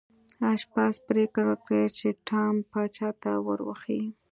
آشپز پریکړه وکړه چې ټام پاچا ته ور وښيي.